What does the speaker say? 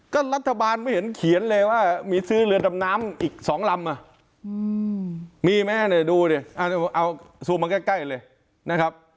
ก็รัฐบาลไม่เห็นเขียนเลยว่ามีซื้อเรือดำน้ำอีก๒ลำมีไหมเนี่ยดูดิเอาซูมมาใกล้เลยนะครับ